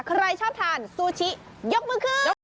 ใครชอบทานซูชิยกมือขึ้น